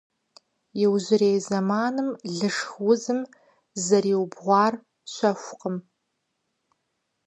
Иужьрей зэманым лышх узым зэрызиубгъуар щэхукъым.